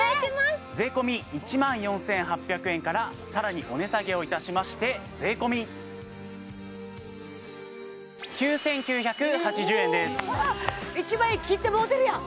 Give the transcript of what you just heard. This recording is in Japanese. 税込１万４８００円からさらにお値下げをいたしまして税込１万円切ってもうてるやん！